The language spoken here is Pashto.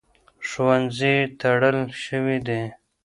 ښوونځي تړل شوي دي.